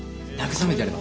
慰めてやれば？